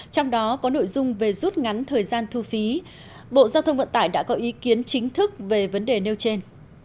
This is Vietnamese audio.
trong đó có nội dung về rút ngắn thời gian thu phí bộ giao thông vận tải đã có ý kiến chính thức về vấn đề nêu trên